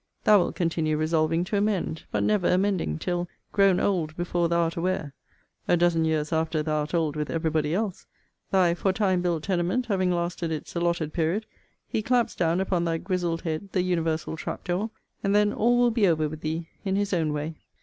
Thou wilt continue resolving to amend, but never amending, till, grown old before thou art aware, (a dozen years after thou art old with every body else,) thy for time built tenement having lasted its allotted period, he claps down upon thy grizzled head the universal trap door: and then all will be over with thee in his own way.